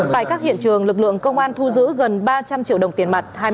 tại các hiện trường lực lượng công an thu giữ gần ba trăm linh triệu đồng tiền mặt